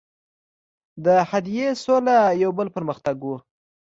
د حدیبې سوله یو بل پر مختګ وو.